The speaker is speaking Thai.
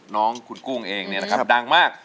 น้องคุณกุ้งเองเนี่ยนะครับดังมาก